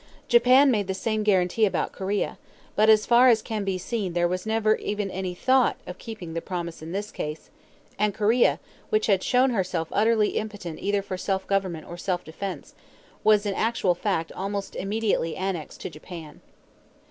Japan made the same guarantee about Korea, but as far as can be seen there was never even any thought of keeping the promise in this case; and Korea, which had shown herself utterly impotent either for self government or self defense, was in actual fact almost immediately annexed to Japan.